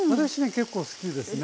結構好きですね。